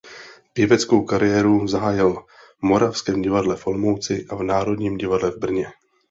Pěveckou kariéru zahájil v Moravském divadle v Olomouci a v Národním divadle v Brně.